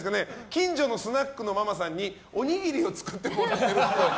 近所のスナックのママさんにおにぎりを作ってもらってるっぽい。